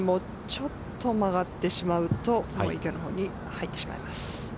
ちょっと曲がってしまうと、池のほうに入ってしまいます。